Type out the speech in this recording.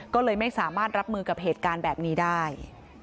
ก็เลยไม่สามารถรับมือกับเหตุการณ์แบบนี้ได้